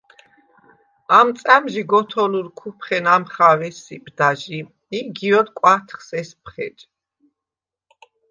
ამ წა̈მჟი გოთოლურ ქუფხენ ამხავ ესსიპდა ჟი ი გიოდ კვათხს ესფხეჭ.